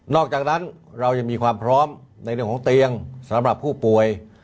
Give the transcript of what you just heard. อกจากนั้นเรายังมีความพร้อมในเรื่องของเตียงสำหรับผู้ป่วย